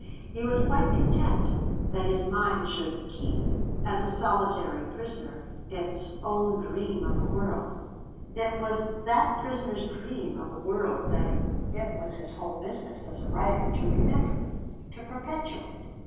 He was quite content that his mind should 'keep as a solitary prisoner its own dream of a world'; it was that prisoner's dream of a world that it was his whole business as a writer to remember, to perpetuate.